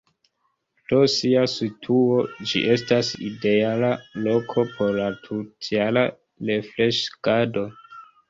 Pro sia situo ĝi estas ideala loko por la tutjara refreŝigado.